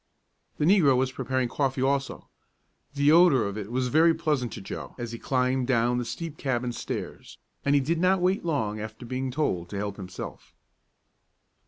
The negro was preparing coffee also. The odor of it all was very pleasant to Joe as he climbed down the steep cabin stairs, and he did not wait long after being told to help himself.